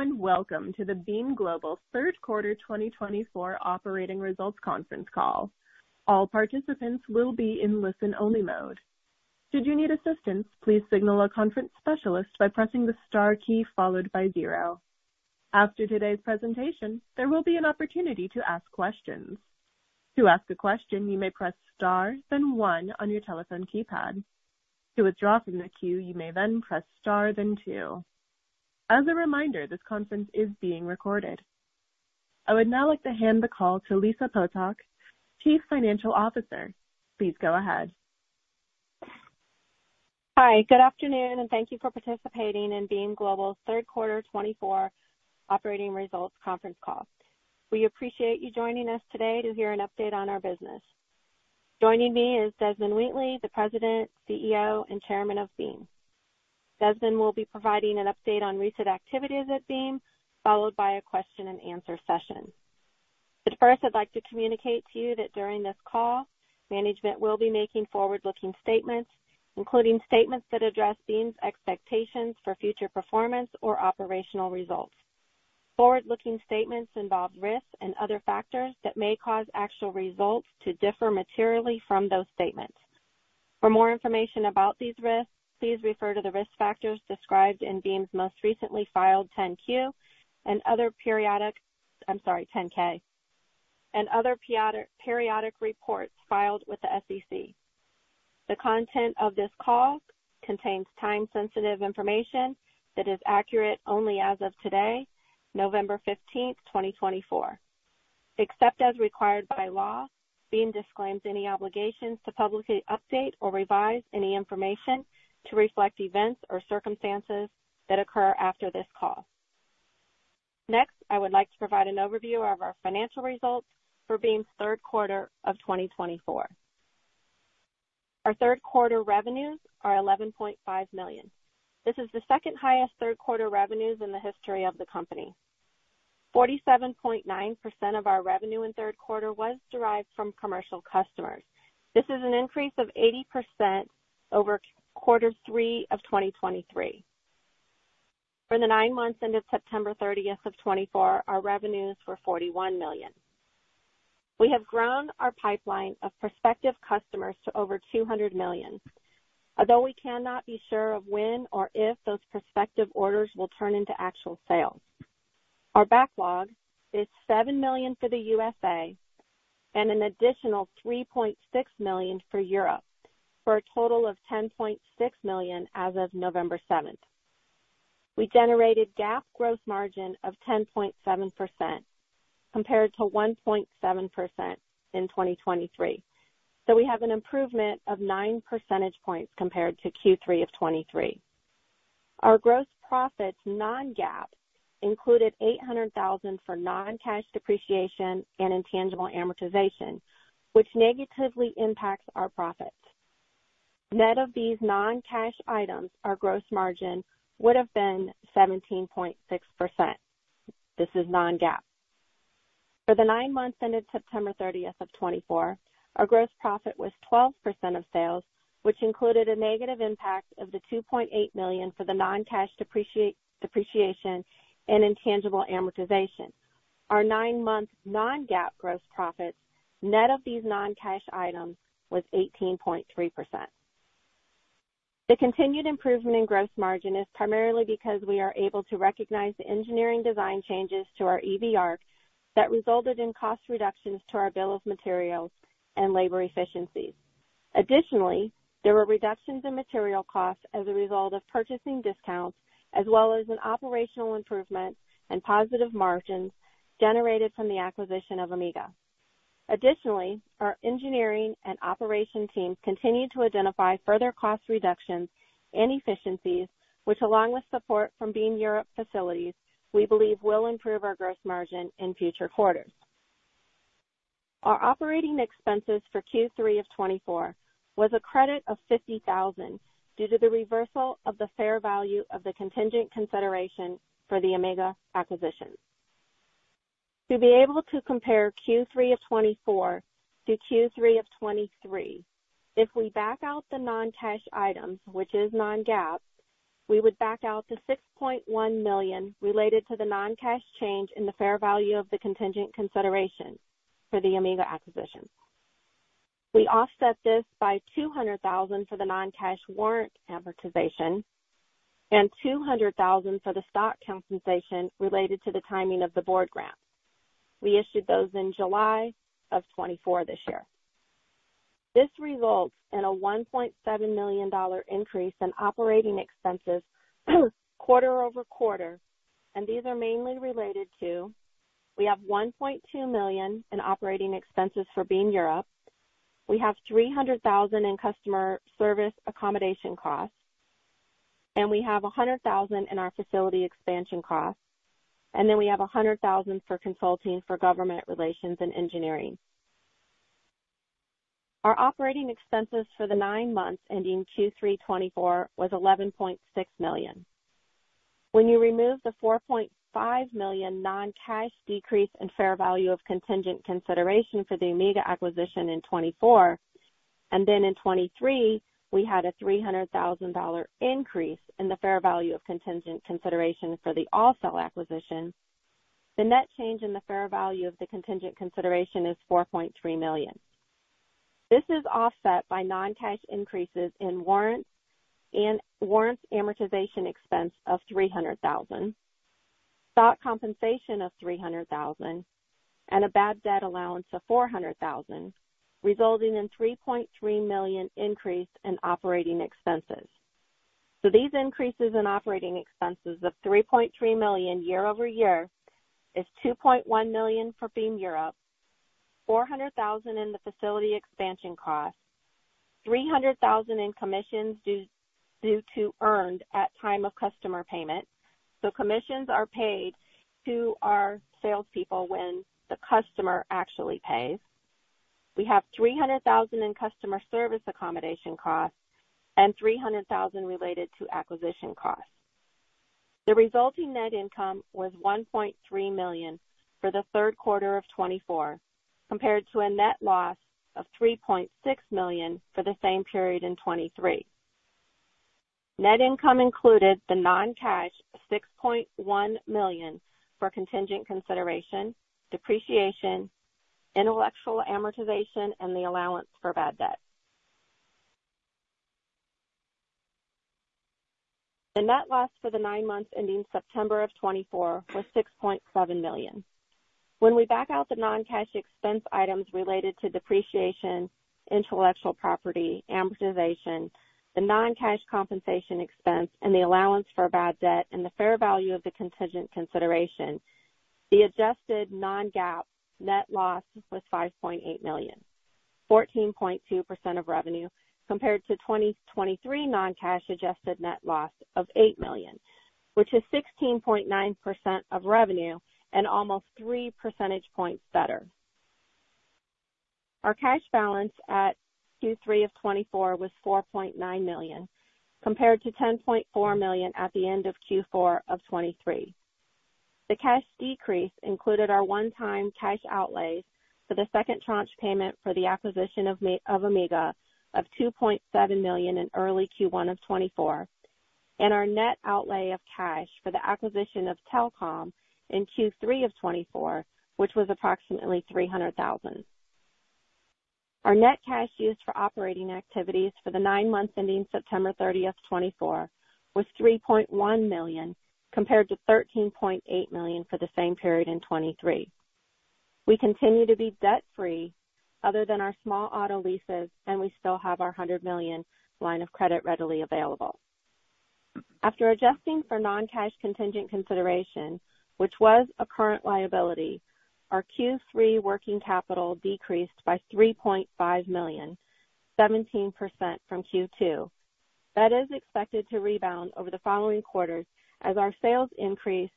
And welcome to the Beam Global Third Quarter 2024 Operating Results Conference call. All participants will be in listen-only mode. Should you need assistance, please signal a conference specialist by pressing the star key followed by zero. After today's presentation, there will be an opportunity to ask questions. To ask a question, you may press star, then one on your telephone keypad. To withdraw from the queue, you may then press star, then two. As a reminder, this conference is being recorded. I would now like to hand the call to Lisa Potok, Chief Financial Officer. Please go ahead. Hi, good afternoon, and thank you for participating in Beam Global's Third Quarter 2024 Operating Results Conference call. We appreciate you joining us today to hear an update on our business. Joining me is Desmond Wheatley, the President, CEO, and Chairman of Beam. Desmond will be providing an update on recent activities at Beam, followed by a question-and-answer session. But first, I'd like to communicate to you that during this call, management will be making forward-looking statements, including statements that address Beam's expectations for future performance or operational results. Forward-looking statements involve risks and other factors that may cause actual results to differ materially from those statements. For more information about these risks, please refer to the risk factors described in Beam's most recently filed 10-Q and other periodic— I'm sorry, 10-K, and other periodic reports filed with the SEC. The content of this call contains time-sensitive information that is accurate only as of today, November 15th, 2024. Except as required by law, Beam disclaims any obligations to publicly update or revise any information to reflect events or circumstances that occur after this call. Next, I would like to provide an overview of our financial results for Beam's Third Quarter of 2024. Our third quarter revenues are $11.5 million. This is the second highest third quarter revenues in the history of the company. 47.9% of our revenue in Third Quarter was derived from commercial customers. This is an increase of 80% over Quarter Three of 2023. For the nine months ended September 30th of 2024, our revenues were $41 million. We have grown our pipeline of prospective customers to over $200 million, although we cannot be sure of when or if those prospective orders will turn into actual sales. Our backlog is $7 million for the USA and an additional $3.6 million for Europe, for a total of $10.6 million as of November 7th. We generated GAAP gross margin of 10.7% compared to 1.7% in 2023, so we have an improvement of 9 percentage points compared to Q3 of 2023. Our gross profits non-GAAP included $800,000 for non-cash depreciation and intangible amortization, which negatively impacts our profits. Net of these non-cash items, our gross margin would have been 17.6%. This is non-GAAP. For the nine months ended September 30th of 2024, our gross profit was 12% of sales, which included a negative impact of the $2.8 million for the non-cash depreciation and intangible amortization. Our nine-month non-GAAP gross profits, net of these non-cash items, was 18.3%. The continued improvement in gross margin is primarily because we are able to recognize the engineering design changes to our EV ARC that resulted in cost reductions to our bill of materials and labor efficiencies. Additionally, there were reductions in material costs as a result of purchasing discounts, as well as an operational improvement and positive margins generated from the acquisition of Amiga. Additionally, our engineering and operation teams continue to identify further cost reductions and efficiencies, which, along with support from Beam Europe facilities, we believe will improve our gross margin in future quarters. Our operating expenses for Q3 of 2024 was a credit of $50,000 due to the reversal of the fair value of the contingent consideration for the Amiga acquisition. To be able to compare Q3 of 2024 to Q3 of 2023, if we back out the non-cash items, which is non-GAAP, we would back out the $6.1 million related to the non-cash change in the fair value of the contingent consideration for the Amiga acquisition. We offset this by $200,000 for the non-cash warrant amortization and $200,000 for the stock compensation related to the timing of the board grant. We issued those in July of 2024 this year. This results in a $1.7 million increase in operating expenses quarter-over-quarter, and these are mainly related to we have $1.2 million in operating expenses for Beam Europe, we have $300,000 in customer service accommodation costs, and we have $100,000 in our facility expansion costs, and then we have $100,000 for consulting for government relations and engineering. Our operating expenses for the nine months ending Q3 2024 was $11.6 million. When you remove the $4.5 million non-cash decrease in fair value of contingent consideration for the Amiga acquisition in 2024, and then in 2023, we had a $300,000 increase in the fair value of contingent consideration for the AllCell acquisition, the net change in the fair value of the contingent consideration is $4.3 million. This is offset by non-cash increases in warrants and warrants amortization expense of $300,000, stock compensation of $300,000, and a bad debt allowance of $400,000, resulting in a $3.3 million increase in operating expenses. These increases in operating expenses of $3.3 million year-over-year is $2.1 million for Beam Europe, $400,000 in the facility expansion costs, $300,000 in commissions due to earned at time of customer payment. Commissions are paid to our salespeople when the customer actually pays. We have $300,000 in customer service accommodation costs and $300,000 related to acquisition costs. The resulting net income was $1.3 million for the third quarter of 2024, compared to a net loss of $3.6 million for the same period in 2023. Net income included the non-cash $6.1 million for contingent consideration, depreciation, intellectual amortization, and the allowance for bad debt. The net loss for the nine months ending September of 2024 was $6.7 million. When we back out the non-cash expense items related to depreciation, intellectual property, amortization, the non-cash compensation expense, and the allowance for bad debt, and the fair value of the contingent consideration, the adjusted non-GAAP net loss was $5.8 million, 14.2% of revenue, compared to 2023 non-cash adjusted net loss of $8 million, which is 16.9% of revenue and almost 3 percentage points better. Our cash balance at Q3 of 2024 was $4.9 million, compared to $10.4 million at the end of Q4 of 2023. The cash decrease included our one-time cash outlay for the second tranche payment for the acquisition of Amiga of $2.7 million in early Q1 of 2024, and our net outlay of cash for the acquisition of Telcom in Q3 of 2024, which was approximately $300,000. Our net cash used for operating activities for the nine months ending September 30th, 2024, was $3.1 million, compared to $13.8 million for the same period in 2023. We continue to be debt-free other than our small auto leases, and we still have our $100 million line of credit readily available. After adjusting for non-cash contingent consideration, which was a current liability, our Q3 working capital decreased by $3.5 million, 17% from Q2. That is expected to rebound over the following quarters as our sales increase,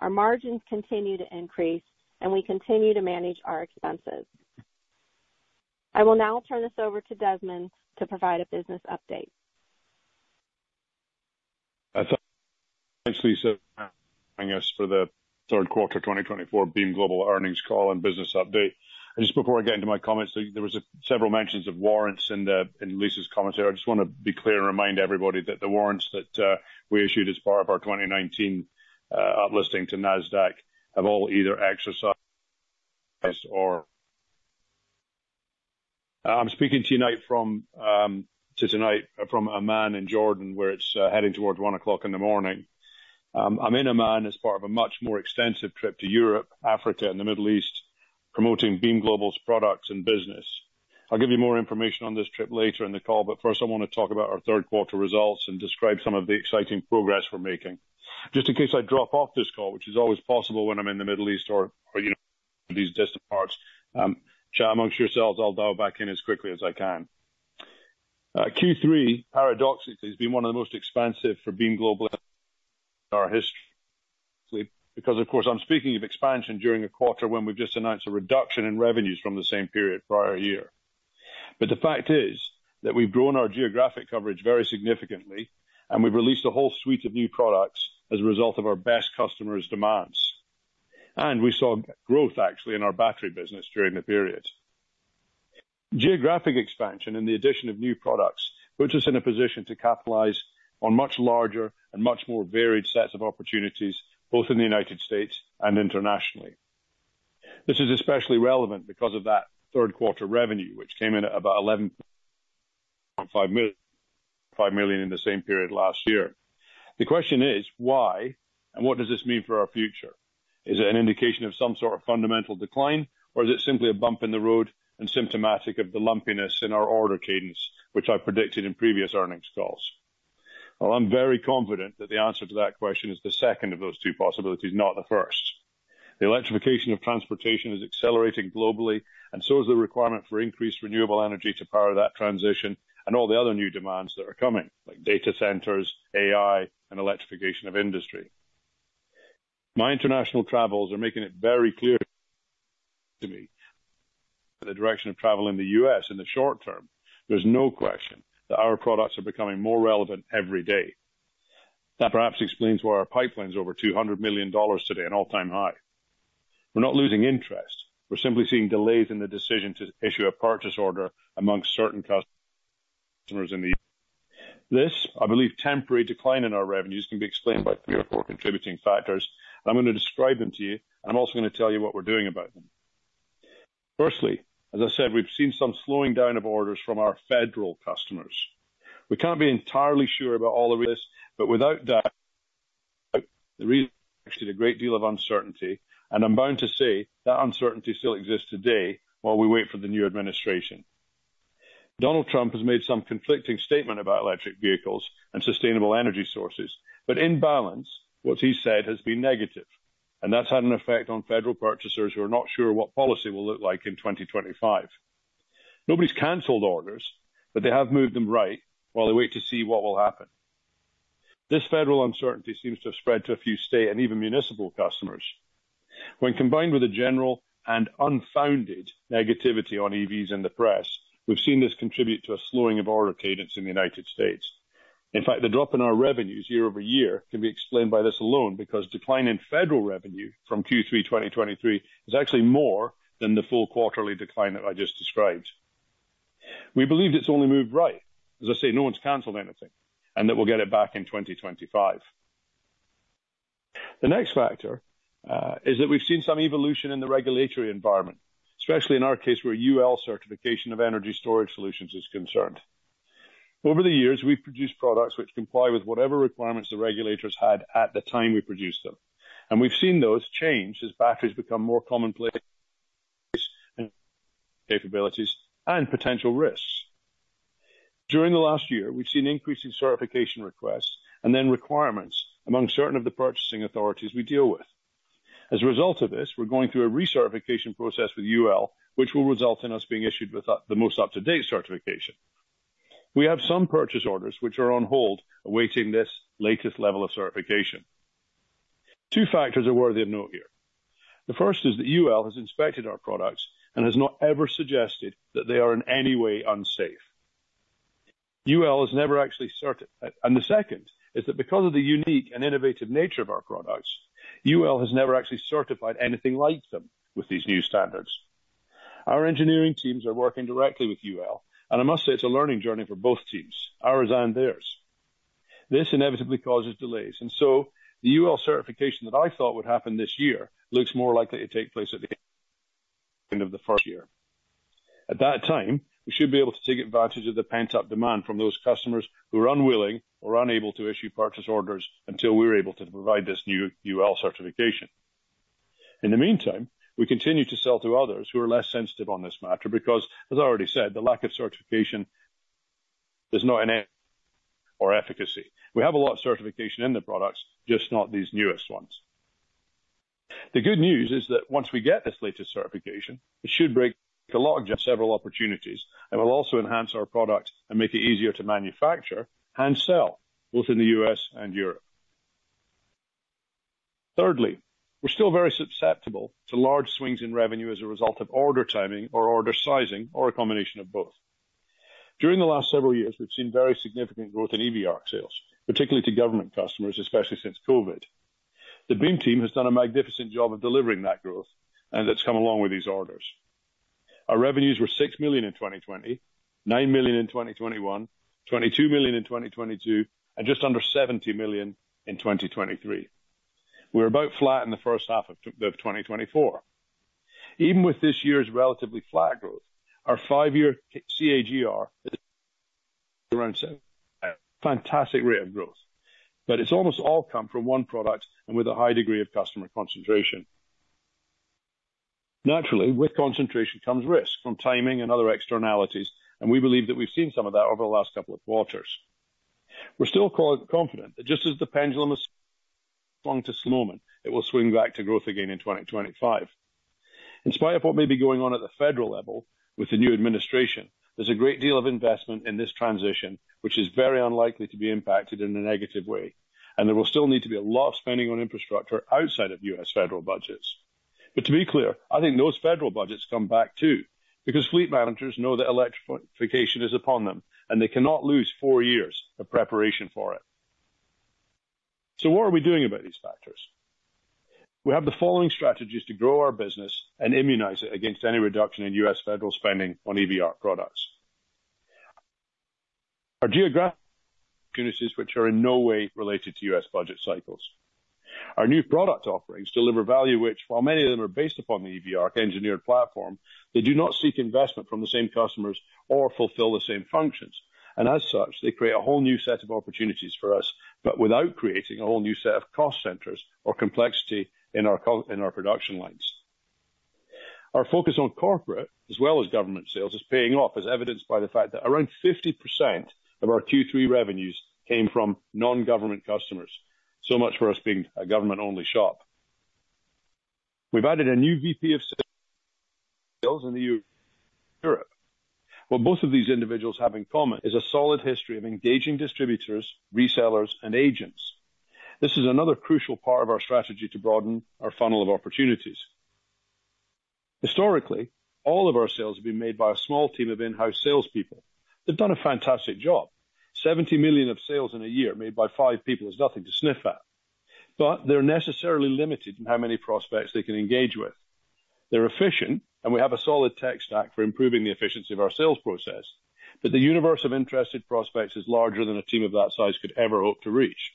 our margins continue to increase, and we continue to manage our expenses. I will now turn this over to Desmond to provide a business update. Thanks, Lisa, for joining us for the Third Quarter 2024 Beam Global Earnings Call and business update. Just before I get into my comments, there were several mentions of warrants in Lisa's commentary. I just want to be clear and remind everybody that the warrants that we issued as part of our 2019 uplisting to NASDAQ have all either exercised or. I'm speaking to you tonight from Amman in Jordan, where it's heading towards one o'clock in the morning. I'm in Amman as part of a much more extensive trip to Europe, Africa, and the Middle East, promoting Beam Global's products and business. I'll give you more information on this trip later in the call, but first, I want to talk about our Third Quarter results and describe some of the exciting progress we're making. Just in case I drop off this call, which is always possible when I'm in the Middle East or these distant parts, chat amongst yourselves. I'll dial back in as quickly as I can. Q3, paradoxically, has been one of the most expansive for Beam Global in our history because, of course, I'm speaking of expansion during a quarter when we've just announced a reduction in revenues from the same period prior year, but the fact is that we've grown our geographic coverage very significantly, and we've released a whole suite of new products as a result of our best customers' demands, and we saw growth, actually, in our battery business during the period. Geographic expansion and the addition of new products puts us in a position to capitalize on much larger and much more varied sets of opportunities, both in the United States and internationally. This is especially relevant because of that third quarter revenue, which came in at about $11.5 million in the same period last year. The question is, why, and what does this mean for our future? Is it an indication of some sort of fundamental decline, or is it simply a bump in the road and symptomatic of the lumpiness in our order cadence, which I predicted in previous earnings calls? Well, I'm very confident that the answer to that question is the second of those two possibilities, not the first. The electrification of transportation is accelerating globally, and so is the requirement for increased renewable energy to power that transition and all the other new demands that are coming, like data centers, AI, and electrification of industry. My international travels are making it very clear to me the direction of travel in the U.S. in the short term. There's no question that our products are becoming more relevant every day. That perhaps explains why our pipeline is over $200 million today, an all-time high. We're not losing interest. We're simply seeing delays in the decision to issue a purchase order amongst certain customers in the [U.S.] This, I believe, temporary decline in our revenues can be explained by three or four contributing factors. I'm going to describe them to you, and I'm also going to tell you what we're doing about them. Firstly, as I said, we've seen some slowing down of orders from our federal customers. We can't be entirely sure about all of this, but without that, there is actually a great deal of uncertainty, and I'm bound to say that uncertainty still exists today while we wait for the new administration. Donald Trump has made some conflicting statement about electric vehicles and sustainable energy sources, but in balance, what he said has been negative, and that's had an effect on federal purchasers who are not sure what policy will look like in 2025. Nobody's canceled orders, but they have moved them right while they wait to see what will happen. This federal uncertainty seems to have spread to a few state and even municipal customers. When combined with a general and unfounded negativity on EVs in the press, we've seen this contribute to a slowing of order cadence in the United States. In fact, the drop in our revenues year-over-year can be explained by this alone because the decline in federal revenue from Q3 2023 is actually more than the full quarterly decline that I just described. We believe it's only moved right, as I say, no one's canceled anything, and that we'll get it back in 2025. The next factor is that we've seen some evolution in the regulatory environment, especially in our case where UL certification of energy storage solutions is concerned. Over the years, we've produced products which comply with whatever requirements the regulators had at the time we produced them, and we've seen those change as batteries become more commonplace capabilities and potential risks. During the last year, we've seen increasing certification requests and then requirements among certain of the purchasing authorities we deal with. As a result of this, we're going through a recertification process with UL, which will result in us being issued with the most up-to-date certification. We have some purchase orders which are on hold awaiting this latest level of certification. Two factors are worthy of note here. The first is that UL has inspected our products and has not ever suggested that they are in any way unsafe. UL has never actually certified, and the second is that because of the unique and innovative nature of our products, UL has never actually certified anything like them with these new standards. Our engineering teams are working directly with UL, and I must say it's a learning journey for both teams, ours and theirs. This inevitably causes delays, and so the UL certification that I thought would happen this year looks more likely to take place at the end of the first year. At that time, we should be able to take advantage of the pent-up demand from those customers who are unwilling or unable to issue purchase orders until we're able to provide this new UL certification. In the meantime, we continue to sell to others who are less sensitive on this matter because, as I already said, the lack of certification is not an or efficacy. We have a lot of certification in the products, just not these newest ones. The good news is that once we get this latest certification, it should break the lock on several opportunities and will also enhance our products and make it easier to manufacture and sell both in the U.S. and Europe. Thirdly, we're still very susceptible to large swings in revenue as a result of order timing or order sizing or a combination of both. During the last several years, we've seen very significant growth in EV ARC sales, particularly to government customers, especially since COVID. The Beam team has done a magnificent job of delivering that growth, and it's come along with these orders. Our revenues were $6 million in 2020, $9 million in 2021, $22 million in 2022, and just under $70 million in 2023. We're about flat in the first half of 2024. Even with this year's relatively flat growth, our five-year CAGR is around [seven]. Fantastic rate of growth, but it's almost all come from one product and with a high degree of customer concentration. Naturally, with concentration comes risk from timing and other externalities, and we believe that we've seen some of that over the last couple of quarters. We're still confident that just as the pendulum has [swung to slowing], it will swing back to growth again in 2025. In spite of what may be going on at the federal level with the new administration, there's a great deal of investment in this transition, which is very unlikely to be impacted in a negative way, and there will still need to be a lot of spending on infrastructure outside of U.S. federal budgets. But to be clear, I think those federal budgets come back too because fleet managers know that electrification is upon them, and they cannot lose four years of preparation for it. So what are we doing about these factors? We have the following strategies to grow our business and immunize it against any reduction in U.S. federal spending on EV ARC products. Our geographic [units], which are in no way related to U.S. budget cycles, our new product offerings deliver value, which, while many of them are based upon the EV ARC engineered platform, they do not seek investment from the same customers or fulfill the same functions, and as such, they create a whole new set of opportunities for us, but without creating a whole new set of cost centers or complexity in our production lines. Our focus on corporate, as well as government sales, is paying off, as evidenced by the fact that around 50% of our Q3 revenues came from non-government customers, so much for us being a government-only shop. We've added a new VP of sales in Europe. What both of these individuals have in common is a solid history of engaging distributors, resellers, and agents. This is another crucial part of our strategy to broaden our funnel of opportunities. Historically, all of our sales have been made by a small team of in-house salespeople. They've done a fantastic job. $70 million of sales in a year made by five people is nothing to sniff at, but they're necessarily limited in how many prospects they can engage with. They're efficient, and we have a solid tech stack for improving the efficiency of our sales process, but the universe of interested prospects is larger than a team of that size could ever hope to reach.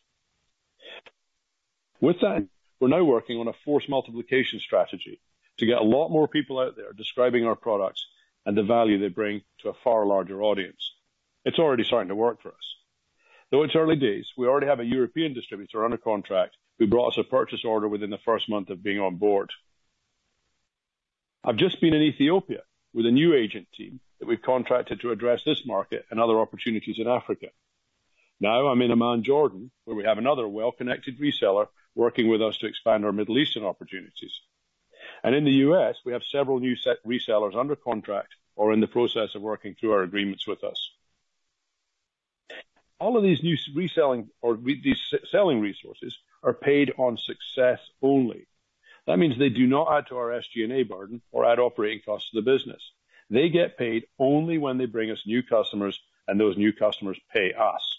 With that, we're now working on a force multiplication strategy to get a lot more people out there describing our products and the value they bring to a far larger audience. It's already starting to work for us. Though it's early days, we already have a European distributor under contract who brought us a purchase order within the first month of being on board. I've just been in Ethiopia with a new agent team that we've contracted to address this market and other opportunities in Africa. Now I'm in Amman, Jordan, where we have another well-connected reseller working with us to expand our Middle Eastern opportunities. And in the U.S., we have several new resellers under contract or in the process of working through our agreements with us. All of these new reselling or these selling resources are paid on success only. That means they do not add to our SG&A burden or add operating costs to the business. They get paid only when they bring us new customers, and those new customers pay us.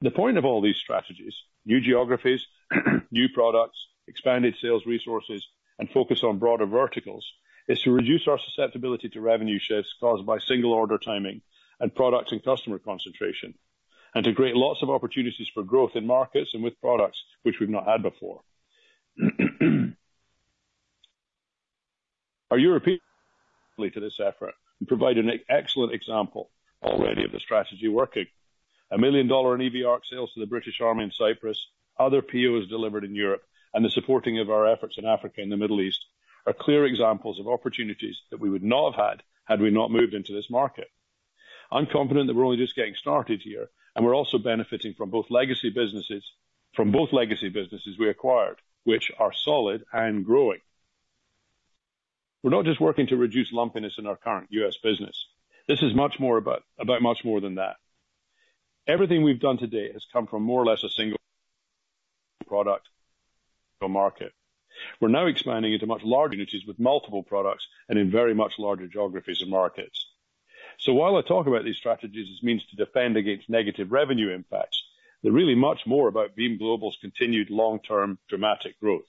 The point of all these strategies: new geographies, new products, expanded sales resources, and focus on broader verticals is to reduce our susceptibility to revenue shifts caused by single order timing and product and customer concentration, and to create lots of opportunities for growth in markets and with products which we've not had before. Our European to this effort and provide an excellent example already of the strategy working. $1 million in EV ARC sales to the British Army in Cyprus, other POs delivered in Europe, and the supporting of our efforts in Africa and the Middle East are clear examples of opportunities that we would not have had had we not moved into this market. I'm confident that we're only just getting started here, and we're also benefiting from both legacy businesses we acquired, which are solid and growing. We're not just working to reduce lumpiness in our current U.S. business. This is much more about much more than that. Everything we've done today has come from more or less a single product or market. We're now expanding into much larger niches with multiple products and in very much larger geographies and markets. So while I talk about these strategies, it means to defend against negative revenue impacts. They're really much more about Beam Global's continued long-term dramatic growth.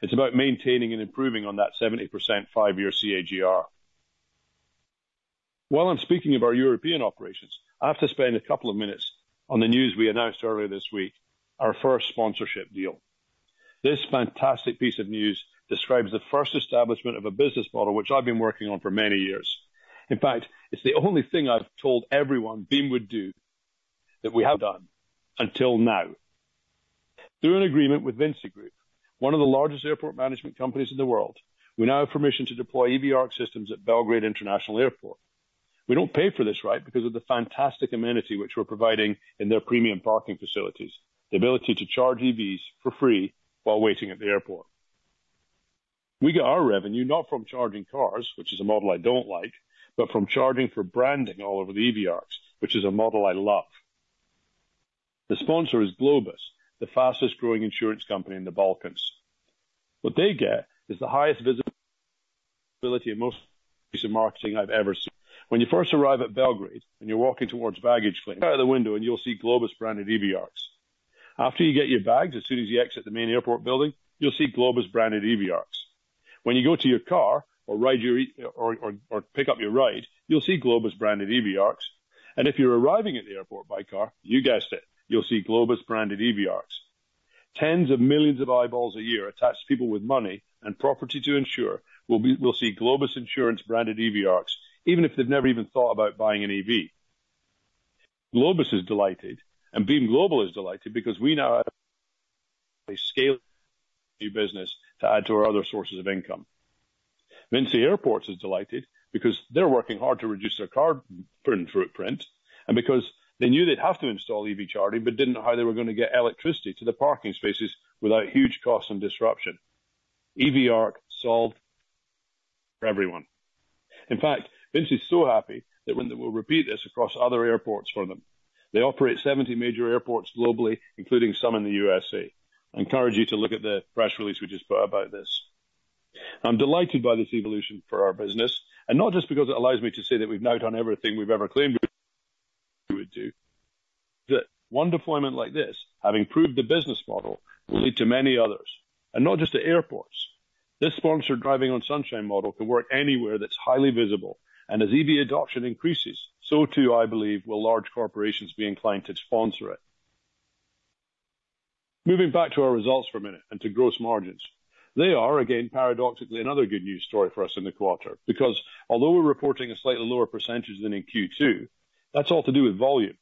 It's about maintaining and improving on that 70% five-year CAGR. While I'm speaking of our European operations, I have to spend a couple of minutes on the news we announced earlier this week, our first sponsorship deal. This fantastic piece of news describes the first establishment of a business model which I've been working on for many years. In fact, it's the only thing I've told everyone Beam would do that we have done until now. Through an agreement with Vinci Group, one of the largest airport management companies in the world, we now have permission to deploy EV ARC systems at Belgrade International Airport. We don't pay for this right because of the fantastic amenity which we're providing in their premium parking facilities, the ability to charge EVs for free while waiting at the airport. We get our revenue not from charging cars, which is a model I don't like, but from charging for branding all over the EV ARCs, which is a model I love. The sponsor is Globos, the fastest growing insurance company in the Balkans. What they get is the highest visibility and most recent marketing I've ever seen. When you first arrive at Belgrade and you're walking towards baggage claim, out of the window, you'll see Globos-branded EV ARCs. After you get your bags, as soon as you exit the main airport building, you'll see Globos-branded EV ARCs. When you go to your car or pick up your ride, you'll see Globos-branded EV ARCs. And if you're arriving at the airport by car, you guessed it, you'll see Globos-branded EV ARCs. Tens of millions of eyeballs a year attached to people with money and property to insure will see Globos Insurance-branded EV ARCs, even if they've never even thought about buying an EV. Globos is delighted, and Beam Global is delighted because we now have a [scalable] new business to add to our other sources of income. VINCI Airports is delighted because they're working hard to reduce their carbon footprint and because they knew they'd have to install EV charging, but didn't know how they were going to get electricity to the parking spaces without huge costs and disruption. EV ARC solved [it] for everyone. In fact, VINCI is so happy that we'll repeat this across other airports for them. They operate 70 major airports globally, including some in the USA. I encourage you to look at the press release we just put out about this. I'm delighted by this evolution for our business, and not just because it allows me to say that we've now done everything we've ever claimed we would do, but one deployment like this, having proved the business model, will lead to many others, and not just to airports. This sponsored driving on Sunshine model can work anywhere that's highly visible, and as EV adoption increases, so too, I believe, will large corporations be inclined to sponsor it. Moving back to our results for a minute and to gross margins. They are, again, paradoxically another good news story for us in the quarter because although we're reporting a slightly lower percentage than in Q2, that's all to do with volume.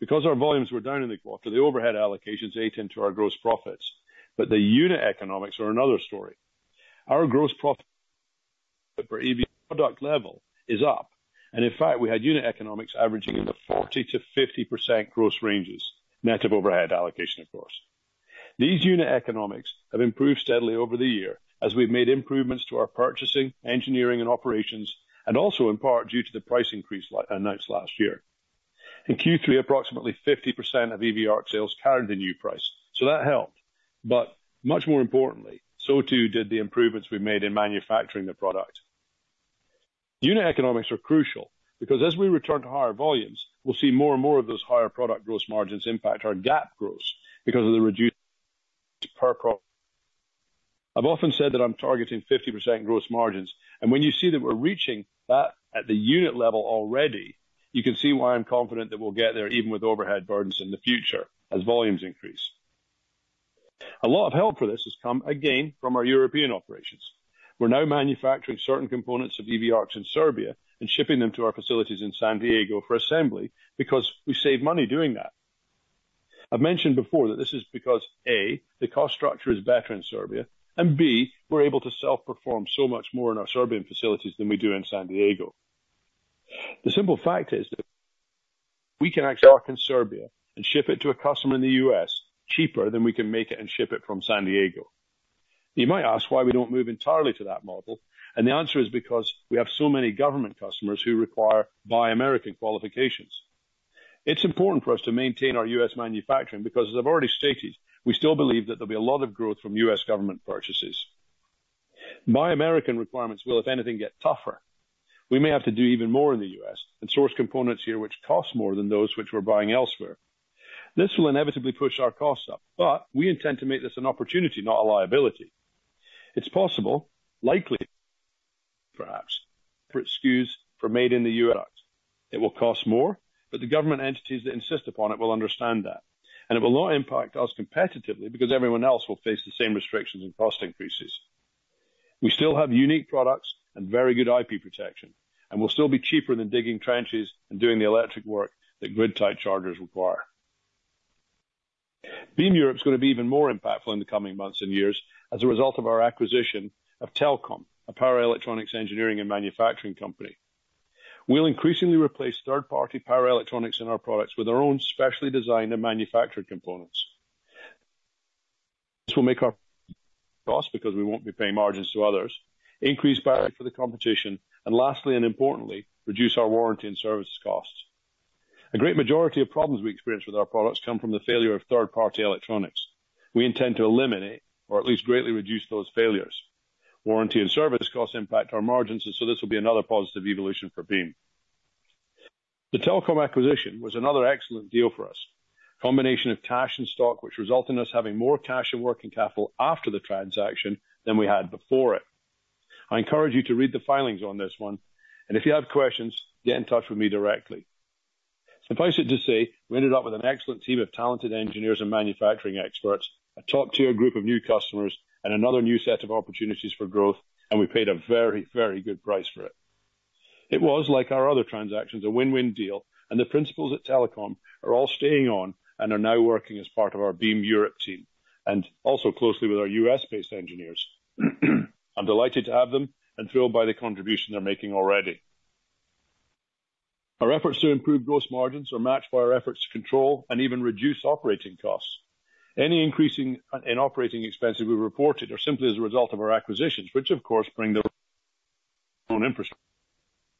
Because our volumes were down in the quarter, the overhead allocations ate into our gross profits, but the unit economics are another story. Our gross profit per EV ARC product level is up, and in fact, we had unit economics averaging in the 40%-50% gross ranges, net of overhead allocation, of course. These unit economics have improved steadily over the year as we've made improvements to our purchasing, engineering, and operations, and also in part due to the price increase announced last year. In Q3, approximately 50% of EV ARC sales carried the new price, so that helped, but much more importantly, so too did the improvements we made in manufacturing the product. Unit economics are crucial because as we return to higher volumes, we'll see more and more of those higher product gross margins impact our gap gross because of the reduced [per profit]. I've often said that I'm targeting 50% gross margins, and when you see that we're reaching that at the unit level already, you can see why I'm confident that we'll get there even with overhead burdens in the future as volumes increase. A lot of help for this has come again from our European operations. We're now manufacturing certain components of EV ARCs in Serbia and shipping them to our facilities in San Diego for assembly because we save money doing that. I've mentioned before that this is because, A, the cost structure is better in Serbia, and B, we're able to self-perform so much more in our Serbian facilities than we do in San Diego. The simple fact is that we can actually work in Serbia and ship it to a customer in the U.S. cheaper than we can make it and ship it from San Diego. You might ask why we don't move entirely to that model, and the answer is because we have so many government customers who require Buy American qualifications. It's important for us to maintain our U.S. manufacturing because, as I've already stated, we still believe that there'll be a lot of growth from U.S. government purchases. Buy American requirements will, if anything, get tougher. We may have to do even more in the U.S. and source components here which cost more than those which we're buying elsewhere. This will inevitably push our costs up, but we intend to make this an opportunity, not a liability. It's possible, likely, perhaps [for SKUs] for made in the U.S. It will cost more, but the government entities that insist upon it will understand that, and it will not impact us competitively because everyone else will face the same restrictions and cost increases. We still have unique products and very good IP protection, and we'll still be cheaper than digging trenches and doing the electric work that grid-tied chargers require. Beam Europe is going to be even more impactful in the coming months and years as a result of our acquisition of Telcom, a power electronics engineering and manufacturing company. We'll increasingly replace third-party power electronics in our products with our own specially designed and manufactured components. This will make our costs because we won't be paying margins to others, increase [power] for the competition, and lastly, and importantly, reduce our warranty and service costs. A great majority of problems we experience with our products come from the failure of third-party electronics. We intend to eliminate or at least greatly reduce those failures. Warranty and service costs impact our margins, and so this will be another positive evolution for Beam. The Telcom acquisition was another excellent deal for us, a combination of cash and stock, which resulted in us having more cash and working capital after the transaction than we had before it. I encourage you to read the filings on this one, and if you have questions, get in touch with me directly. Suffice it to say, we ended up with an excellent team of talented engineers and manufacturing experts, a top-tier group of new customers, and another new set of opportunities for growth, and we paid a very, very good price for it. It was, like our other transactions, a win-win deal, and the principals at Telcom are all staying on and are now working as part of our Beam Europe team and also closely with our U.S.-based engineers. I'm delighted to have them and thrilled by the contribution they're making already. Our efforts to improve gross margins are matched by our efforts to control and even reduce operating costs. Any increase in operating expenses we've reported are simply as a result of our acquisitions, which, of course, bring the on infrastructure.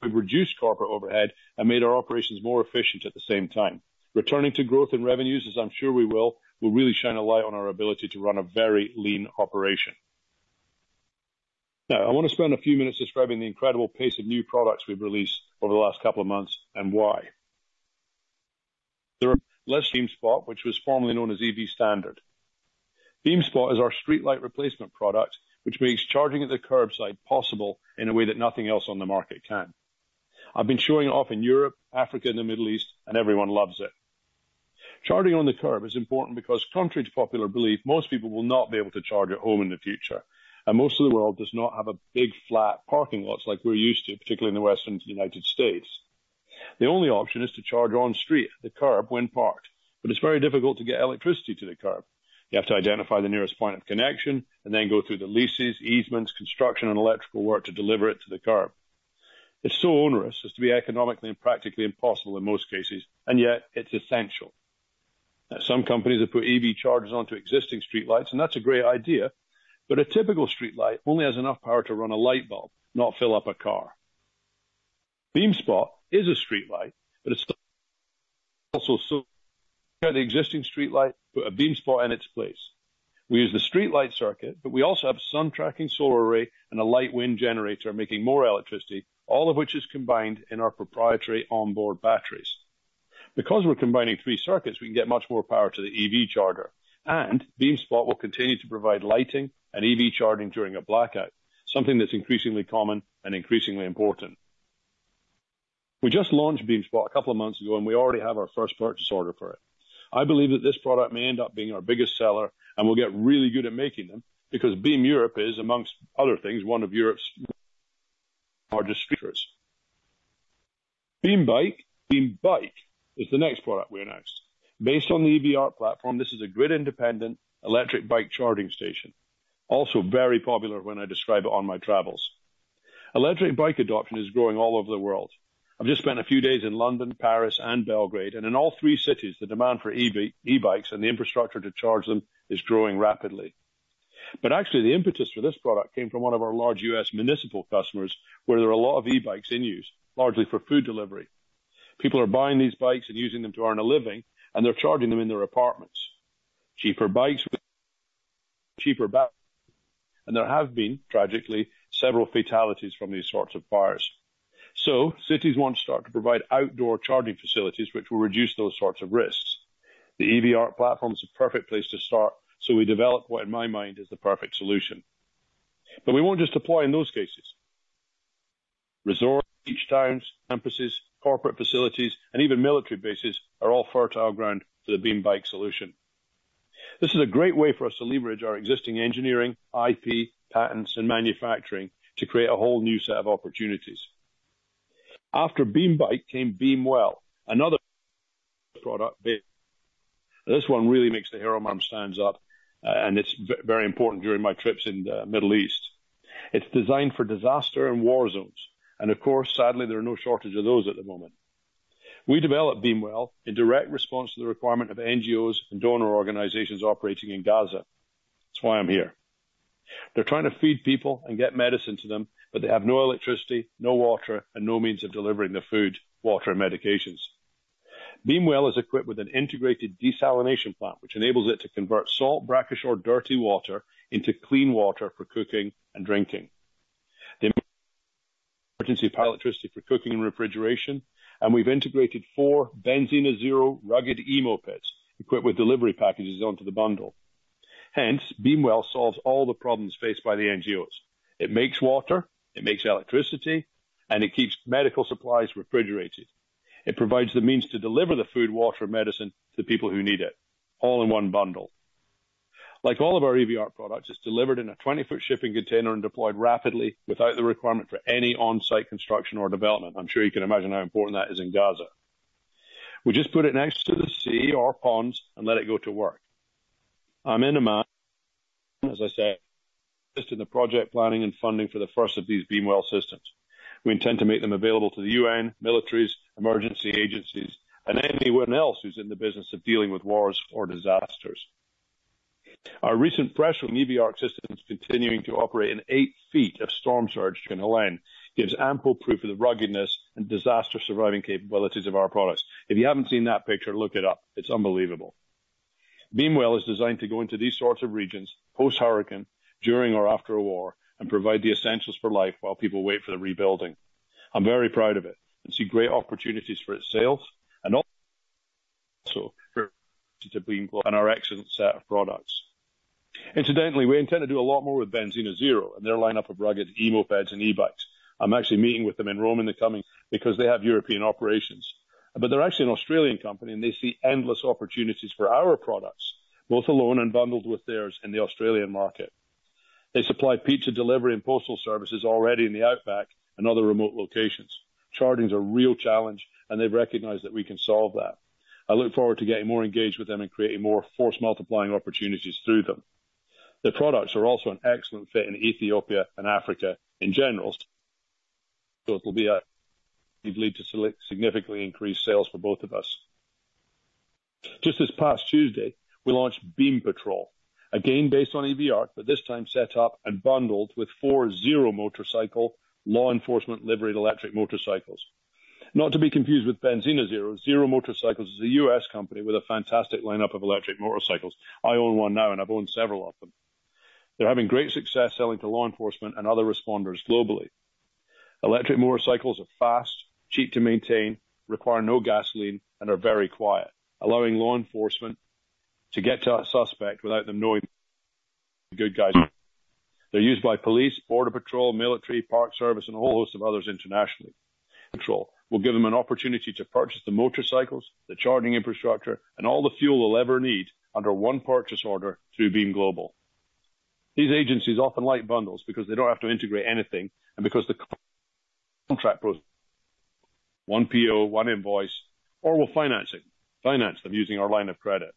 We've reduced corporate overhead and made our operations more efficient at the same time. Returning to growth and revenues, as I'm sure we will, will really shine a light on our ability to run a very lean operation. Now, I want to spend a few minutes describing the incredible pace of new products we've released over the last couple of months and why. The latest BeamSpot, which was formerly known as EV standard. BeamSpot is our streetlight replacement product, which makes charging at the curbside possible in a way that nothing else on the market can. I've been showing it off in Europe, Africa, and the Middle East, and everyone loves it. Charging on the curb is important because, contrary to popular belief, most people will not be able to charge at home in the future, and most of the world does not have big flat parking lots like we're used to, particularly in the Western United States. The only option is to charge on street, the curb, when parked, but it's very difficult to get electricity to the curb. You have to identify the nearest point of connection and then go through the leases, easements, construction, and electrical work to deliver it to the curb. It's so onerous as to be economically and practically impossible in most cases, and yet it's essential. Some companies have put EV chargers onto existing streetlights, and that's a great idea, but a typical streetlight only has enough power to run a light bulb, not fill up a car. BeamSpot is a streetlight, but it's also so the existing streetlight put a BeamSpot in its place. We use the streetlight circuit, but we also have a sun-tracking solar array and a light wind generator making more electricity, all of which is combined in our proprietary onboard batteries. Because we're combining three circuits, we can get much more power to the EV charger, and BeamSpot will continue to provide lighting and EV charging during a blackout, something that's increasingly common and increasingly important. We just launched BeamSpot a couple of months ago, and we already have our first purchase order for it. I believe that this product may end up being our biggest seller, and we'll get really good at making them because Beam Europe is, amongst other things, one of Europe's largest. BeamBike is the next product we announced. Based on the EV ARC platform, this is a grid-independent electric bike charging station, also very popular when I describe it on my travels. Electric bike adoption is growing all over the world. I've just spent a few days in London, Paris, and Belgrade, and in all three cities, the demand for e-bikes and the infrastructure to charge them is growing rapidly. But actually, the impetus for this product came from one of our large U.S. municipal customers where there are a lot of e-bikes in use, largely for food delivery. People are buying these bikes and using them to earn a living, and they're charging them in their apartments. Cheaper bikes [with] cheaper batteries, and there have been, tragically, several fatalities from these sorts of fires. So cities want to start to provide outdoor charging facilities, which will reduce those sorts of risks. The EV ARC platform is a perfect place to start, so we develop what, in my mind, is the perfect solution. But we won't just deploy in those cases. Resorts, beach towns, campuses, corporate facilities, and even military bases are all fertile ground for the BeamBike solution. This is a great way for us to leverage our existing engineering, IP, patents, and manufacturing to create a whole new set of opportunities. After BeamBike came BeamWell, another product. This one really makes the hair on my arm stand up, and it's very important during my trips in the Middle East. It's designed for disaster and war zones, and of course, sadly, there are no shortage of those at the moment. We developed BeamWell in direct response to the requirement of NGOs and donor organizations operating in Gaza. That's why I'm here. They're trying to feed people and get medicine to them, but they have no electricity, no water, and no means of delivering the food, water, and medications. BeamWell is equipped with an integrated desalination plant, which enables it to convert salt, brackish, or dirty water into clean water for cooking and drinking. emergency power electricity for cooking and refrigeration, and we've integrated four Benzina Zero rugged e-mopeds equipped with delivery packages onto the bundle. Hence, BeamWell solves all the problems faced by the NGOs. It makes water, it makes electricity, and it keeps medical supplies refrigerated. It provides the means to deliver the food, water, and medicine to the people who need it, all in one bundle. Like all of our EV ARC products, it's delivered in a 20-foot shipping container and deployed rapidly without the requirement for any on-site construction or development. I'm sure you can imagine how important that is in Gaza. We just put it next to the sea or ponds and let it go to work. I'm in Amman, as I said, just in the project planning and funding for the first of these BeamWell systems. We intend to make them available to the UN, militaries, emergency agencies, and anyone else who's in the business of dealing with wars or disasters. Our recent press from EV ARC systems continuing to operate in 8 ft of storm surge [from Helene] gives ample proof of the ruggedness and disaster-surviving capabilities of our products. If you haven't seen that picture, look it up. It's unbelievable. BeamWell is designed to go into these sorts of regions post-hurricane, during or after a war, and provide the essentials for life while people wait for the rebuilding. I'm very proud of it and see great opportunities for itself and also for our excellent set of products. Incidentally, we intend to do a lot more with Benzina Zero and their lineup of rugged e-mopeds and e-bikes. I'm actually meeting with them in Rome in the coming because they have European operations, but they're actually an Australian company, and they see endless opportunities for our products, both alone and bundled with theirs in the Australian market. They supply pizza delivery and postal services already in the Outback and other remote locations. Charging is a real challenge, and they've recognized that we can solve that. I look forward to getting more engaged with them and creating more force-multiplying opportunities through them. The products are also an excellent fit in Ethiopia and Africa in general, so it'll be a lead to significantly increased sales for both of us. Just this past Tuesday, we launched BeamPatrol, again based on EV ARC, but this time set up and bundled with four Zero Motorcycles law enforcement livery electric motorcycles. Not to be confused with Benzina Zero, Zero Motorcycles is a U.S. company with a fantastic lineup of electric motorcycles. I own one now, and I've owned several of them. They're having great success selling to law enforcement and other responders globally. Electric motorcycles are fast, cheap to maintain, require no gasoline, and are very quiet, allowing law enforcement to get to a suspect without them knowing the good guys. They're used by police, border patrol, military, park service, and a whole host of others internationally. BeamPatrol will give them an opportunity to purchase the motorcycles, the charging infrastructure, and all the fuel they'll ever need under one purchase order through Beam Global. These agencies often like bundles because they don't have to integrate anything and because the contract goes one PO, one invoice, or we'll finance them using our line of credit.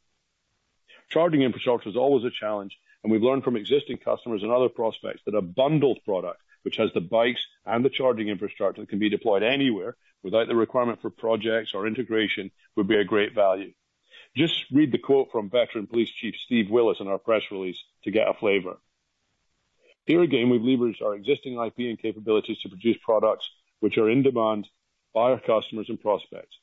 Charging infrastructure is always a challenge, and we've learned from existing customers and other prospects that a bundled product, which has the bikes and the charging infrastructure that can be deployed anywhere without the requirement for projects or integration, would be a great value. Just read the quote from veteran Police Chief Steve Willis in our press release to get a flavor. Here again, we've leveraged our existing IP and capabilities to produce products which are in demand by our customers and prospects.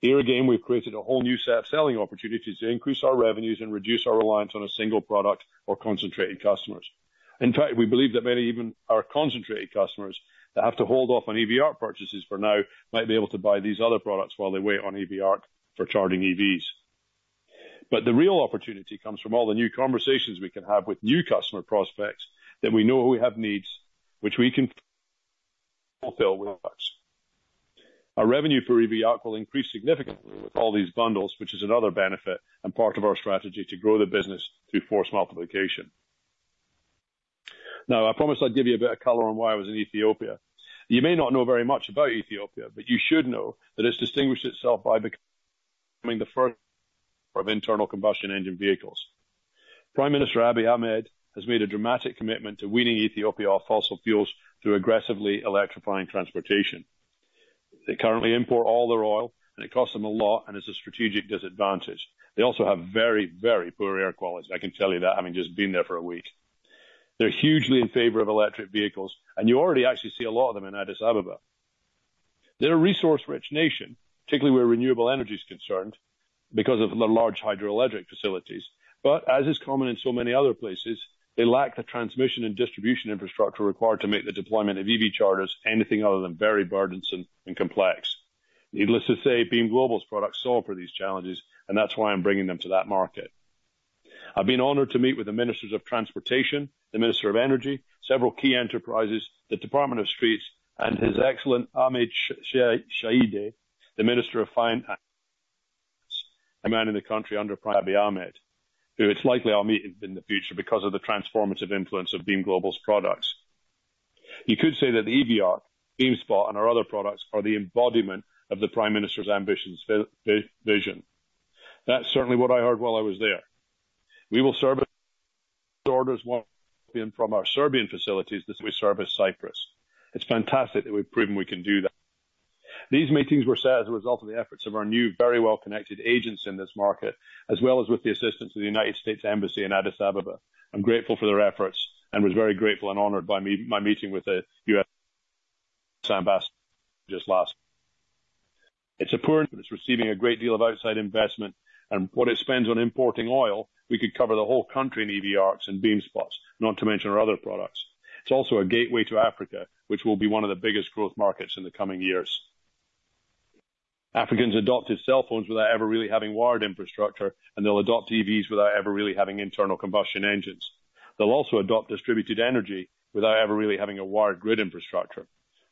Here again, we've created a whole new set of selling opportunities to increase our revenues and reduce our reliance on a single product or concentrated customers. In fact, we believe that many even our concentrated customers that have to hold off on EV ARC purchases for now might be able to buy these other products while they wait on EV ARC for charging EVs. But the real opportunity comes from all the new conversations we can have with new customer prospects that we know who we have needs, which we can fulfill with our. Our revenue for EV ARC will increase significantly with all these bundles, which is another benefit and part of our strategy to grow the business through force multiplication. Now, I promised I'd give you a bit of color on why I was in Ethiopia. You may not know very much about Ethiopia, but you should know that it's distinguished itself by becoming the first of internal combustion engine vehicles. Prime Minister Abiy Ahmed has made a dramatic commitment to weaning Ethiopia off fossil fuels through aggressively electrifying transportation. They currently import all their oil, and it costs them a lot and is a strategic disadvantage. They also have very, very poor air quality. I can tell you that, having just been there for a week. They're hugely in favor of electric vehicles, and you already actually see a lot of them in Addis Ababa. They're a resource-rich nation, particularly where renewable energy is concerned because of the large hydroelectric facilities, but as is common in so many other places, they lack the transmission and distribution infrastructure required to make the deployment of EV chargers anything other than very burdensome and complex. Needless to say, Beam Global's products solve for these challenges, and that's why I'm bringing them to that market. I've been honored to meet with the Ministers of Transportation, the Minister of Energy, several key enterprises, the Department of Streets, and His Excellent Ahmed Shide, the Minister of Finance, a man in the country under [Prime] Abiy Ahmed, who is likely I'll meet in the future because of the transformative influence of Beam Global's products. You could say that the EV ARC, BeamSpot, and our other products are the embodiment of the Prime Minister's ambitions, vision. That's certainly what I heard while I was there. We will service orders from our Serbian facilities that we service Cyprus. It's fantastic that we've proven we can do that. These meetings were set as a result of the efforts of our new, very well-connected agents in this market, as well as with the assistance of the United States Embassy in Addis Ababa. I'm grateful for their efforts and was very grateful and honored by my meeting with the U.S. Ambassador just last. It's a [poor investment]. It's receiving a great deal of outside investment, and what it spends on importing oil, we could cover the whole country in EV ARCs and BeamSpots, not to mention our other products. It's also a gateway to Africa, which will be one of the biggest growth markets in the coming years. Africans adopted cell phones without ever really having wired infrastructure, and they'll adopt EVs without ever really having internal combustion engines. They'll also adopt distributed energy without ever really having a wired grid infrastructure.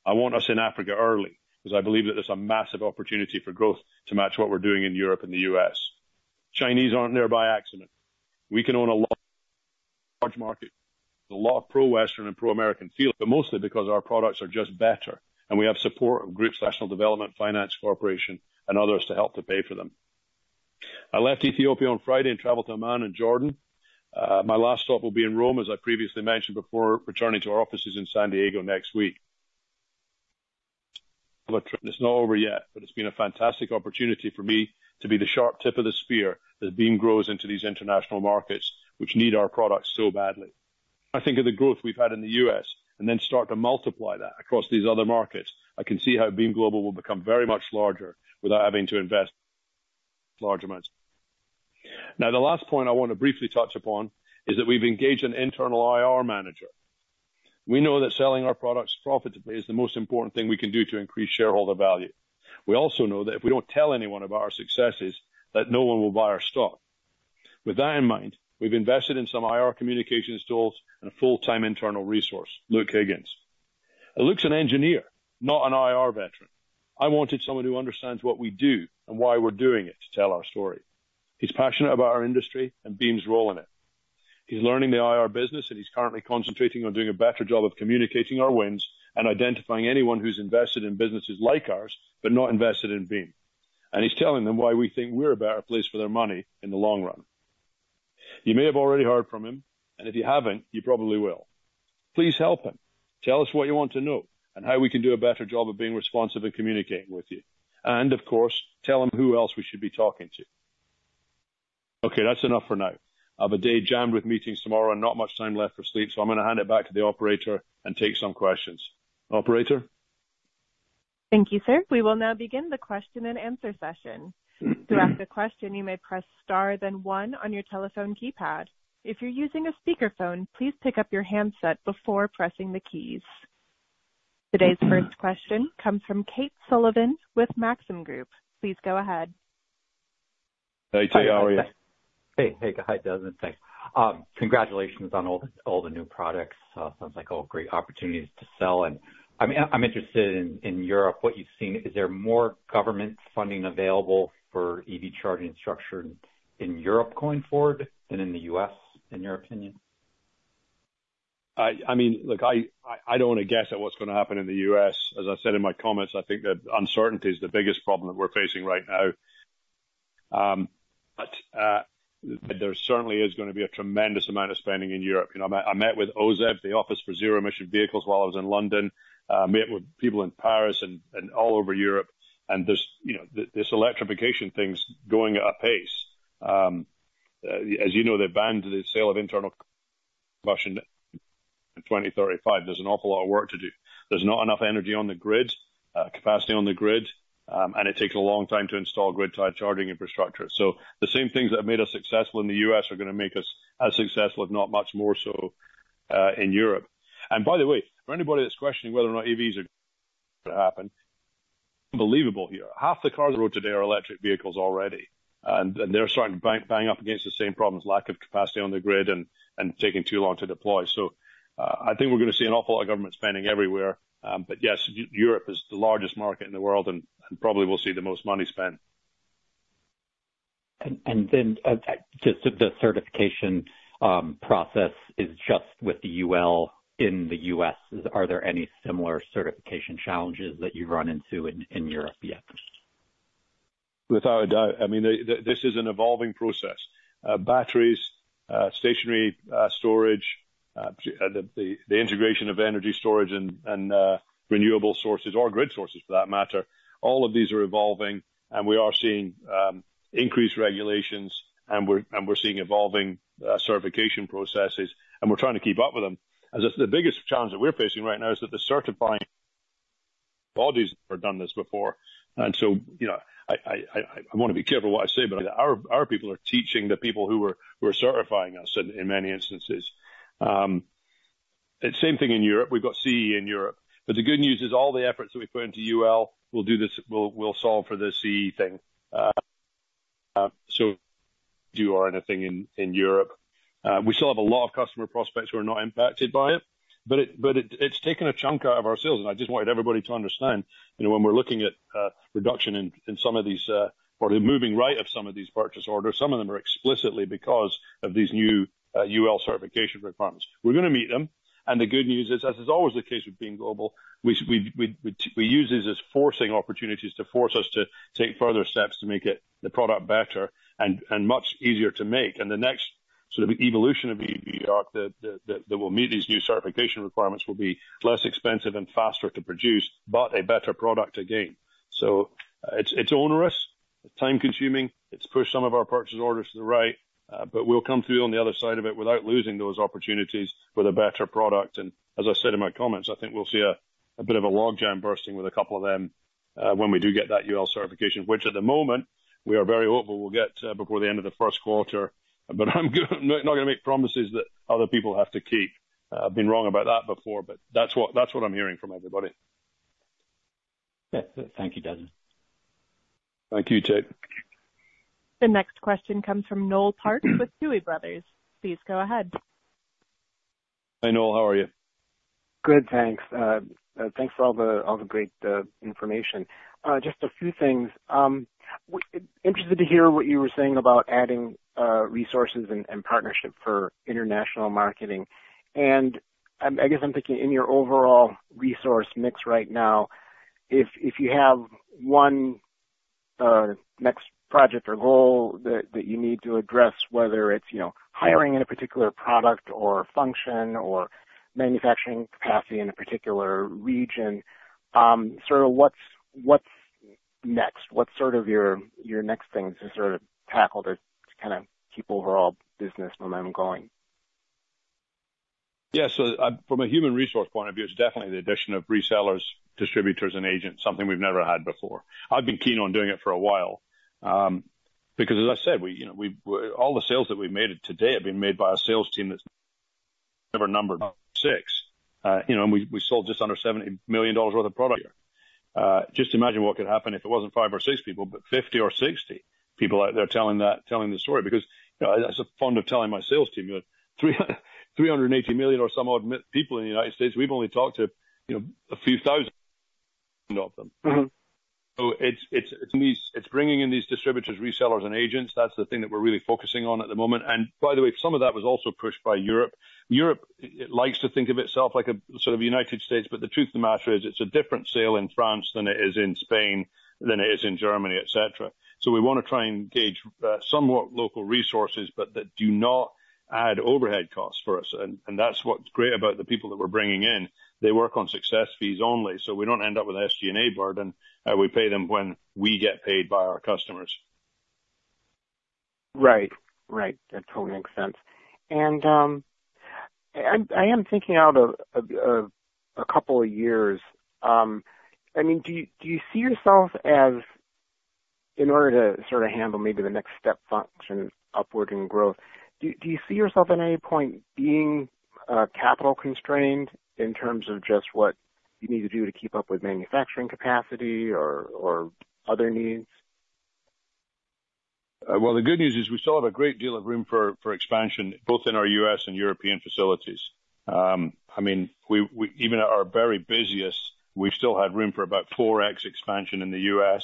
I want us in Africa early because I believe that there's a massive opportunity for growth to match what we're doing in Europe and the U.S. Chinese aren't there by accident. We can own a large market, a lot of pro-Western and pro-American feel, but mostly because our products are just better and we have support of groups, National Development Finance Corporation, and others to help to pay for them. I left Ethiopia on Friday and traveled to Amman in Jordan. My last stop will be in Rome, as I previously mentioned before, returning to our offices in San Diego next week. It's not over yet, but it's been a fantastic opportunity for me to be the sharp tip of the spear as Beam grows into these international markets, which need our products so badly. I think of the growth we've had in the U.S. and then start to multiply that across these other markets. I can see how Beam Global will become very much larger without having to invest large amounts. Now, the last point I want to briefly touch upon is that we've engaged an internal IR manager. We know that selling our products profitably is the most important thing we can do to increase shareholder value. We also know that if we don't tell anyone about our successes, that no one will buy our stock. With that in mind, we've invested in some IR communications tools and a full-time internal resource, Luke Higgins. Luke's an engineer, not an IR veteran. I wanted someone who understands what we do and why we're doing it to tell our story. He's passionate about our industry and Beam's role in it. He's learning the IR business, and he's currently concentrating on doing a better job of communicating our wins and identifying anyone who's invested in businesses like ours, but not invested in Beam. And he's telling them why we think we're a better place for their money in the long run. You may have already heard from him, and if you haven't, you probably will. Please help him. Tell us what you want to know and how we can do a better job of being responsive and communicating with you. And of course, tell him who else we should be talking to. Okay, that's enough for now. I have a day jammed with meetings tomorrow and not much time left for sleep, so I'm going to hand it back to the operator and take some questions. Operator? Thank you, sir. We will now begin the question and answer session. To ask a question, you may press star then one on your telephone keypad. If you're using a speakerphone, please pick up your handset before pressing the keys. Today's first question comes from Tate Sullivan with Maxim Group. Please go ahead. Hey, Tate, how are you? Hey, hey, hi, Desmond. Thanks. Congratulations on all the new products. Sounds like all great opportunities to sell, and I'm interested in Europe, what you've seen. Is there more government funding available for EV charging structure in Europe going forward than in the U.S., in your opinion? I mean, look, I don't want to guess at what's going to happen in the U.S. As I said in my comments, I think that uncertainty is the biggest problem that we're facing right now, but there certainly is going to be a tremendous amount of spending in Europe. I met with OZEV, the Office for Zero Emission Vehicles, while I was in London. I met with people in Paris and all over Europe. And this electrification thing's going at a pace. As you know, they've banned the sale of internal combustion in 2035. There's an awful lot of work to do. There's not enough energy on the grid, capacity on the grid, and it takes a long time to install grid-tied charging infrastructure. So the same things that made us successful in the U.S. are going to make us as successful, if not much more so, in Europe. And by the way, for anybody that's questioning whether or not EVs are going to happen, it's unbelievable here. Half the cars on the road today are electric vehicles already. And they're starting to bang up against the same problems, lack of capacity on the grid and taking too long to deploy. So I think we're going to see an awful lot of government spending everywhere. But yes, Europe is the largest market in the world and probably will see the most money spent. And then the certification process is just with the UL in the U.S. Are there any similar certification challenges that you've run into in Europe yet? Without a doubt. I mean, this is an evolving process. Batteries, stationary storage, the integration of energy storage and renewable sources or grid sources for that matter, all of these are evolving. And we are seeing increased regulations, and we're seeing evolving certification processes, and we're trying to keep up with them. The biggest challenge that we're facing right now is that the certifying bodies have done this before. And so I want to be careful what I say, but our people are teaching the people who are certifying us in many instances. Same thing in Europe. We've got CE in Europe. But the good news is all the efforts that we put into UL will solve for the CE thing. So [to do] anything in Europe. We still have a lot of customer prospects who are not impacted by it, but it's taken a chunk out of our sales. And I just wanted everybody to understand when we're looking at reduction in some of these or the moving right of some of these purchase orders, some of them are explicitly because of these new UL certification requirements. We're going to meet them. And the good news is, as is always the case with Beam Global, we use these as forcing opportunities to force us to take further steps to make the product better and much easier to make. And the next sort of evolution of EV ARC that will meet these new certification requirements will be less expensive and faster to produce, but a better product to gain. So it's onerous, it's time-consuming, it's pushed some of our purchase orders to the right, but we'll come through on the other side of it without losing those opportunities with a better product. And as I said in my comments, I think we'll see a bit of a log jam bursting with a couple of them when we do get that UL certification, which at the moment, we are very hopeful we'll get before the end of the first quarter. But I'm not going to make promises that other people have to keep. I've been wrong about that before, but that's what I'm hearing from everybody. Thank you, Desmond. Thank you, Tate. The next question comes from Noel Parks with Tuohy Brothers. Please go ahead. Hi, Noel. How are you? Good, thanks. Thanks for all the great information. Just a few things. Interested to hear what you were saying about adding resources and partnership for international marketing. And I guess I'm thinking in your overall resource mix right now, if you have one next project or goal that you need to address, whether it's hiring in a particular product or function or manufacturing capacity in a particular region, sort of what's next? What's sort of your next thing to sort of tackle to kind of keep overall business momentum going? Yeah, so from a human resource point of view, it's definitely the addition of resellers, distributors, and agents, something we've never had before. I've been keen on doing it for a while because, as I said, all the sales that we've made today have been made by a sales team that's are numbered six. And we sold just under $70 million worth of product here. Just imagine what could happen if it wasn't five or six people, but 50 or 60 people out there telling the story. Because, as I am fond of telling my sales team, 380 million or so people in the United States, we've only talked to a few thousand of them. So it's bringing in these distributors, resellers, and agents. That's the thing that we're really focusing on at the moment. And by the way, some of that was also pushed by Europe. Europe likes to think of itself like a sort of United States, but the truth of the matter is it's a different sale in France than it is in Spain, than it is in Germany, etc. So we want to try and engage somewhat local resources, but that do not add overhead costs for us. And that's what's great about the people that we're bringing in. They work on success fees only, so we don't end up with an SG&A burden. We pay them when we get paid by our customers. Right, right. That totally makes sense. And I am thinking out of a couple of years. I mean, do you see yourself as, in order to sort of handle maybe the next step function upward in growth, do you see yourself at any point being capital constrained in terms of just what you need to do to keep up with manufacturing capacity or other needs? Well, the good news is we still have a great deal of room for expansion, both in our U.S. and European facilities. I mean, even at our very busiest, we've still had room for about 4x expansion in the U.S.,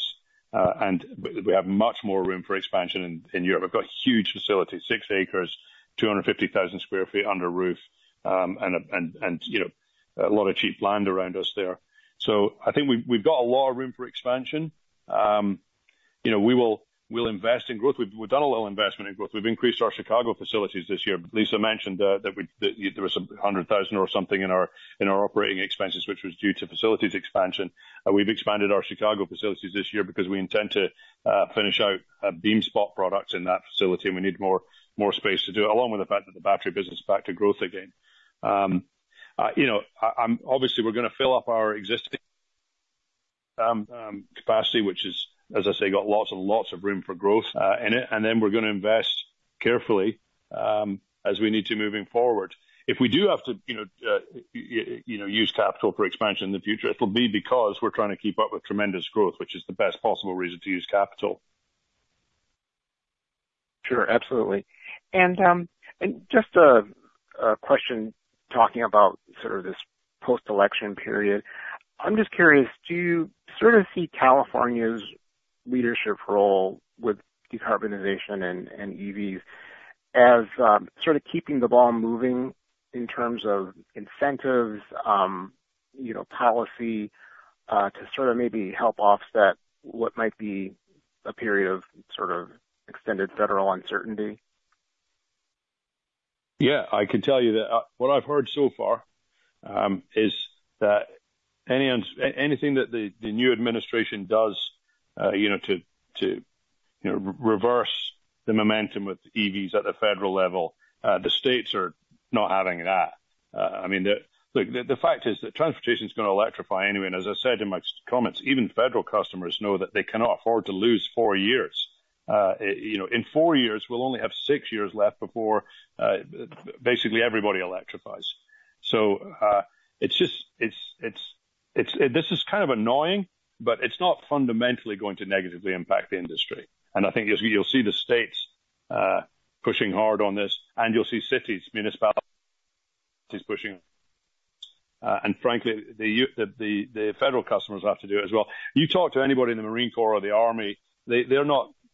and we have much more room for expansion in Europe. We've got huge facilities, six acres, 250,000 sq ft under roof, and a lot of cheap land around us there. So I think we've got a lot of room for expansion. We'll invest in growth. We've done a lot of investment in growth. We've increased our Chicago facilities this year. Lisa mentioned that there was $100,000 or something in our operating expenses, which was due to facilities expansion. We've expanded our Chicago facilities this year because we intend to finish out BeamSpot products in that facility, and we need more space to do it, along with the fact that the battery business is back to growth again. Obviously, we're going to fill up our existing capacity, which is, as I say, got lots and lots of room for growth in it. And then we're going to invest carefully as we need to moving forward. If we do have to use capital for expansion in the future, it'll be because we're trying to keep up with tremendous growth, which is the best possible reason to use capital. Sure, absolutely. Just a question talking about sort of this post-election period. I'm just curious. Do you sort of see California's leadership role with decarbonization and EVs as sort of keeping the ball moving in terms of incentives, policy to sort of maybe help offset what might be a period of sort of extended federal uncertainty? Yeah, I can tell you that what I've heard so far is that anything that the new administration does to reverse the momentum with EVs at the federal level, the states are not having that. I mean, look, the fact is that transportation is going to electrify anyway. And as I said in my comments, even federal customers know that they cannot afford to lose four years. In four years, we'll only have six years left before basically everybody electrifies. So this is kind of annoying, but it's not fundamentally going to negatively impact the industry. And I think you'll see the states pushing hard on this, and you'll see cities, municipalities pushing. And frankly, the federal customers have to do it as well. You talk to anybody in the Marine Corps or the Army,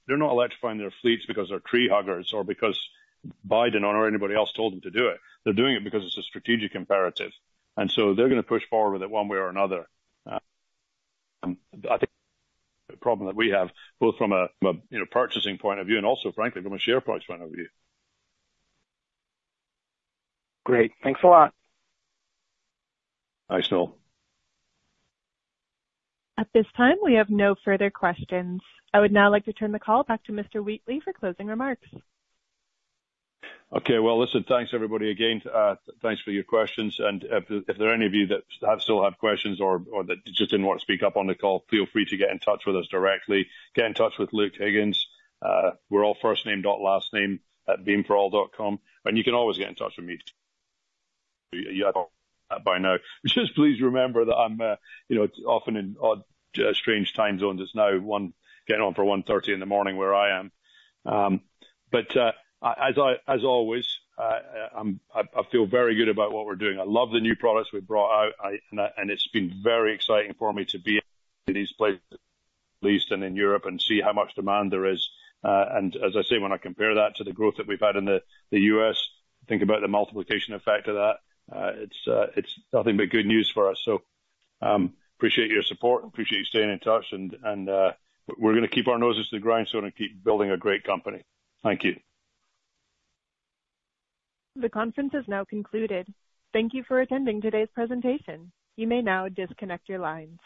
they're not electrifying their fleets because they're tree huggers or because Biden or anybody else told them to do it. They're doing it because it's a strategic imperative. And so they're going to push forward with it one way or another. I think the problem that we have, both from a purchasing point of view and also, frankly, from a share price point of view. Great. Thanks a lot. Thanks, Noel. At this time, we have no further questions. I would now like to turn the call back to Mr. Wheatley for closing remarks. Okay, well, listen, thanks everybody again. Thanks for your questions. And if there are any of you that still have questions or that just didn't want to speak up on the call, feel free to get in touch with us directly. Get in touch with Luke Higgins. We're all first name, not last name at beamforall.com. And you can always get in touch with me. [You have] by now. Just please remember that I'm often in strange time zones. It's now getting on for 1:30 in the morning where I am. But as always, I feel very good about what we're doing. I love the new products we've brought out, and it's been very exciting for me to be in these places, Middle East and in Europe, and see how much demand there is. And as I say, when I compare that to the growth that we've had in the U.S., think about the multiplication effect of that. It's nothing but good news for us. So appreciate your support. Appreciate you staying in touch. And we're going to keep our noses to the ground, so we're going to keep building a great company. Thank you. The conference has now concluded. Thank you for attending today's presentation. You may now disconnect your lines.